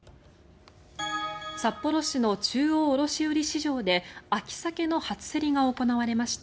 札幌市の中央卸売市場で秋サケの初競りが行われました。